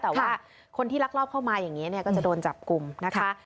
แต่ว่าคนที่ลักลอบเข้ามาอย่างนี้ก็จะโดนจับกลุ่มนะคะ